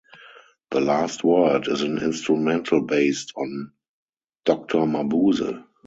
"The Last Word" is an instrumental based on "Doctor Mabuse".